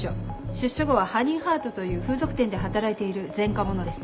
出所後はハニー・ハートという風俗店で働いている前科者です。